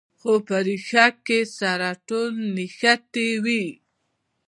خو په ریښه کې سره ټول نښتي وي.